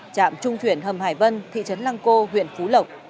chạm trung thuyền hầm hải vân thị trấn lăng cô huyện phú lộc